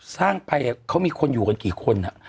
สร้างไปเขามีคนอยู่กันกี่คน